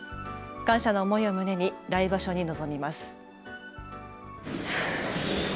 感謝の思いを胸に来場所に臨みます。